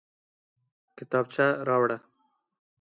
کتابچه راوړه